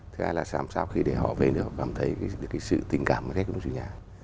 thứ hai là sao khi để họ về được cảm thấy cái sự tình cảm của các quý vị nhà